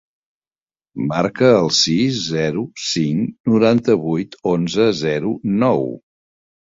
Marca el sis, zero, cinc, noranta-vuit, onze, zero, nou.